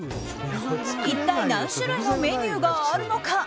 一体、何種類のメニューがあるのか。